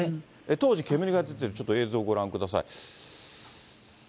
当時、煙が出ている映像、ちょっとご覧ください。